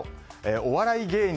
お笑い芸人